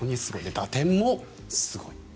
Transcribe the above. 打点もすごい。